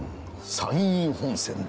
山陰本線だ。